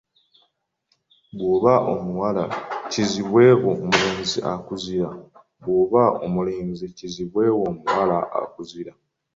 Bw’oba omuwala, kizibwe wo omulenzi akuzira, bw’oba omulenzi, kizibwe wo omuwala akuzira.